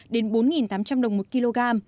đến bốn tám trăm linh đồng một kg